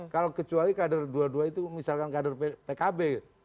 kalau kecuali kader dua dua itu misalkan kader pkb